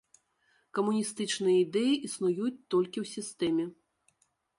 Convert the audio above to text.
Камуністычныя ідэі існуюць толькі ў сістэме.